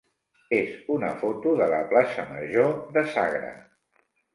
és una foto de la plaça major de Sagra.